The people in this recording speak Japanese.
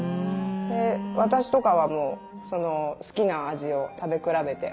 で私とかはもう好きな味を食べ比べて。